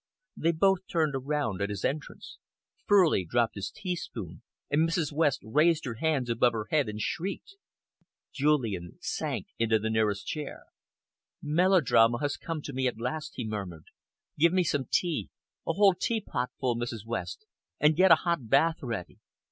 They both turned around at his entrance. Furley dropped his teaspoon and Mrs. West raised her hands above her head and shrieked. Julian sank into the nearest chair. "Melodrama has come to me at last," he murmured. "Give me some tea a whole teapotful, Mrs. West and get a hot bath ready."